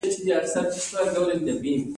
مرغۍ هګۍ اچوي.